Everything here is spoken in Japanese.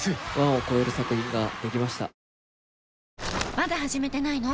まだ始めてないの？